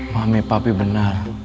mami papi benar